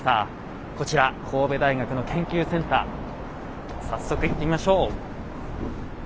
こちら神戸大学の研究センター早速行ってみましょう。